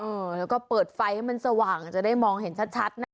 เออแล้วก็เปิดไฟให้มันสว่างจะได้มองเห็นชัดนะ